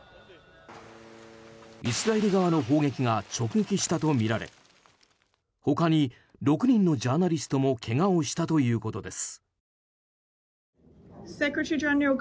イスラエル側の砲撃が直撃したとみられ他に６人のジャーナリストもけがをしたということです。